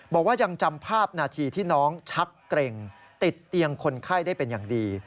บอกว่ายังจำภาพนาทีที่น้องชักเกร็งติดเตียงคนไข้ได้เป็นอย่างดี